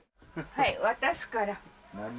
はい渡すから何を？